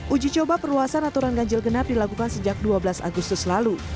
uji coba perluasan aturan ganjil genap dilakukan sejak dua belas agustus lalu